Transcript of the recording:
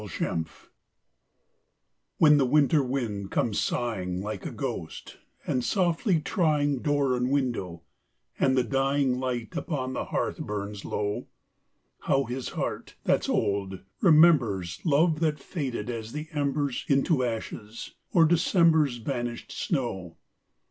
LONG AGO When the winter wind comes sighing Like a ghost, and softly trying Door and window, and the dying Light upon the hearth burns low; How his heart, that's old, remembers Love that faded as the embers Into ashes, or December's Vanished snow.